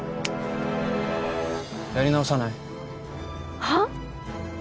やり直さない？はあ？